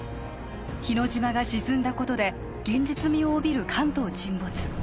日之島が沈んだことで現実味を帯びる関東沈没